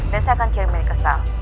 dan saya akan kirim mereka kesal